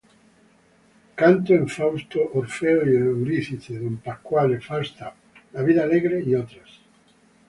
Canto en Fausto, Orfeo y Euridice, Don Pasquale, Falstaff, La viuda alegre, y otras.